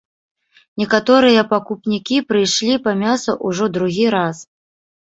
Некаторыя пакупнікі прыйшлі па мяса ўжо другі раз.